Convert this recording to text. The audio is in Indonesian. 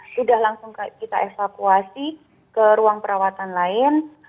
sudah langsung kita evakuasi ke ruang perawatan lain